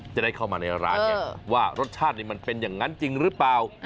จะได้เข้ามาในร้านไงว่ารสชาตินี่มันเป็นอย่างนั้นจริงหรือเปล่า